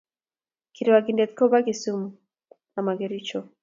Kirwakindet ko ba Kisumu amo kericho